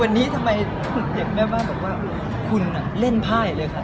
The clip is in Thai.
พี่ทำไมเห็นแม่บ้านบอกว่าคุณอ่ะเล่นผ้าอยู่เลยค่ะ